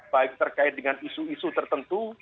baik terkait dengan isu isu tertentu